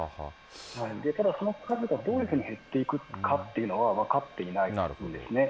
ただその数がどういうふうに減っていくかっていうのは分かっていないんですね。